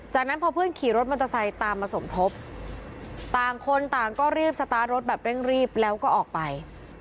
จากนั้นพอเพื่อนขี่รถมอเตอร์ไซค์ตามมาสมทบต่างคนต่างก็รีบสตาร์ทรถแบบเร่งรีบแล้วก็ออกไป